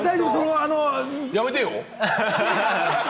やめてよ？